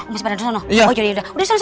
masih ada di sana masih pada di sana